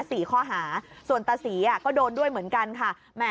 สี่ข้อหาส่วนตาศรีอ่ะก็โดนด้วยเหมือนกันค่ะ